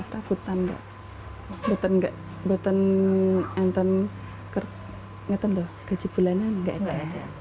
takut ando beton beton enton kert ngeton loh gaji bulanan enggak ada